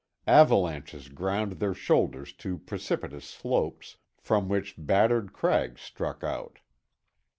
Avalanches ground their shoulders to precipitous slopes, from which battered crags stuck out.